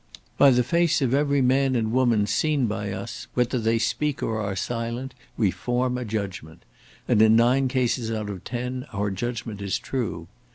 By the face of every man and woman seen by us, whether they speak or are silent, we form a judgment, and in nine cases out of ten our judgment is true.